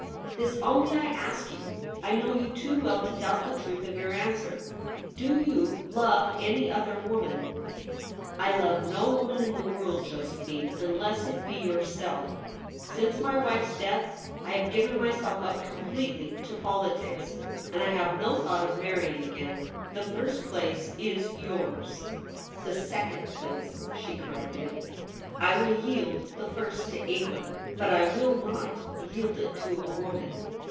This only I ask you. I know you too well to doubt the truth of your answer. Do you love any other woman ? 56 THE REBEL ROSE. * 1 love no woman in the world, Josephine, unless it be yourself. Since my wife's death, I have given myself up completely to politics, and I have no thought of marrying again. The first place is yours.' ' The i ^^^;^^ place,' she corrected. / I will yield the first to England ; but I will not yield it to a woman.